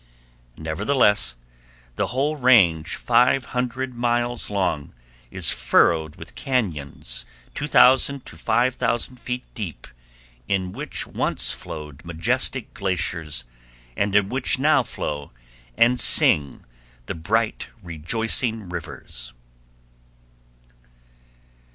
Nevertheless the whole range five hundred miles long is furrowed with cañons 2000 to 5000 feet deep, in which once flowed majestic glaciers, and in which now flow and sing the bright rejoicing rivers.